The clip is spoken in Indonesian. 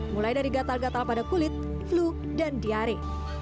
mulai dari gatal gatal pada kulit flu dan diare